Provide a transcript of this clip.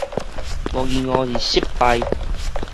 無疑悟猶是失敗